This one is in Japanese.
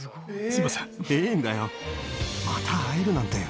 すいません。